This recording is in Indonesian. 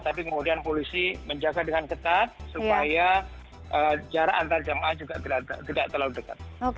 tapi kemudian polisi menjaga dengan ketat supaya jarak antar jamaah juga tidak terlalu dekat